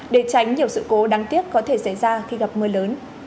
để tránh nhiều sự cố đáng tiếc có thể xảy ra khi gặp mưa lớn